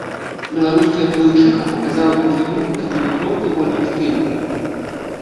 Беларуская плыўчыха паказала другі вынік на стометроўцы вольным стылем.